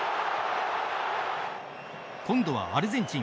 今度はアルゼンチン。